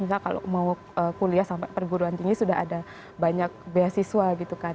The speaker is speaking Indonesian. enggak kalau mau kuliah sampai perguruan tinggi sudah ada banyak beasiswa gitu kan